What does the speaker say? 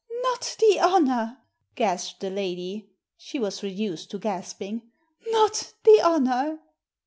"Not the honour!" gasped the lady. She was reduced to gasping. "Not the honour!"